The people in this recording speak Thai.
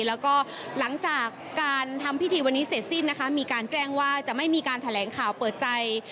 แล้วก็หลังจากการทำพิธีวันนี้เสร็จสิ้นนะคะมีการแจ้งว่าจะไม่มีการแถลงข่าวเปิดใจ